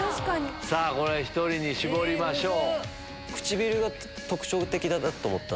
さぁ１人に絞りましょう。